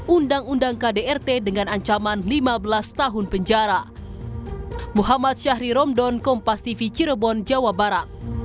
undang undang kdrt dengan ancaman lima belas tahun penjara